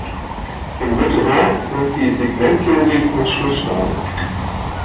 Im Souterrain sind sie segmentbogig mit Schlussstein.